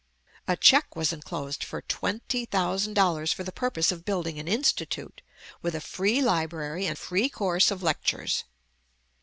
_" A check was enclosed for twenty thousand dollars for the purpose of building an Institute, with a free library and free course of lectures.